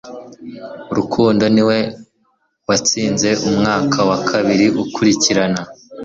Rukundo niwe watsinze umwaka wa kabiri ukurikirana